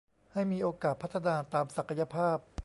ให้มีโอกาสพัฒนาตามศักยภาพ